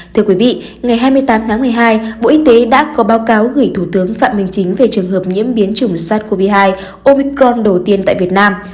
thưa quý vị ngày hai mươi tám tháng một mươi hai bộ y tế đã có báo cáo gửi thủ tướng phạm minh chính về trường hợp nhiễm biến chủng sars cov hai omicron đầu tiên tại việt nam